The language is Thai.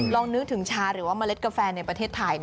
ลองนึกถึงชาหรือว่าเมล็ดกาแฟในประเทศไทย